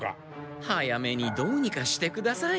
早めにどうにかしてください。